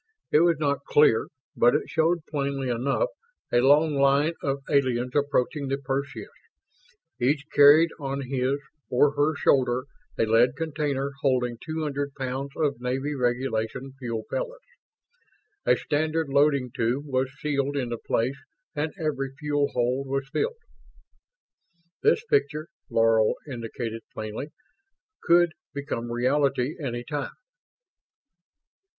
It was not clear, but it showed plainly enough a long line of aliens approaching the Perseus. Each carried on his or her shoulder a lead container holding two hundred pounds of Navy Regulation fuel pellets. A standard loading tube was sealed into place and every fuel hold was filled. This picture, Laro indicated plainly, could become reality any time.